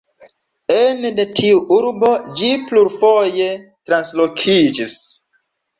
Ene de tiu urbo ĝi plurfoje translokiĝis.